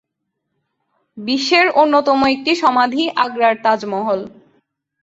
বিশ্বের অন্যতম একটি সমাধি আগ্রার তাজমহল।